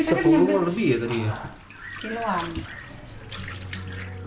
sepuluh orang lebih ya tadi ya